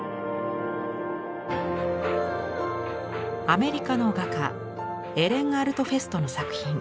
アメリカの画家エレン・アルトフェストの作品。